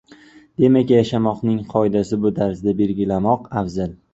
Demak, yashamoqning qoidasini bu tarzda belgilamoq afzal.